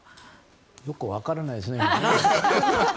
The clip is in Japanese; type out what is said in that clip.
よく分からないですね。